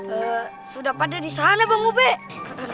eh sudah pada di sana pak rt